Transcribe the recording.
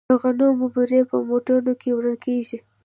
د غنمو بورۍ په موټرو کې وړل کیږي.